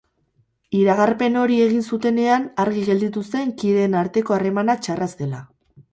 Iragarpen hori egin zutenean argi gelditu zen kideen arteko harremana txarra zela.